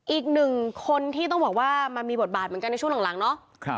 อีกหนึ่งคนที่ต้องบอกว่ามันมีบทบาทเหมือนกันในช่วงหลังเนาะ